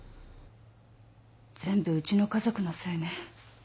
全部うちの家族のせいね。